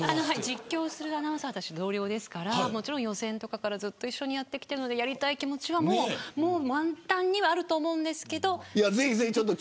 実況するアナウンサーたち同僚ですからもちろん予選からずっと一緒にやっているのでやりたい気持ちは満タンにあると思いますけど。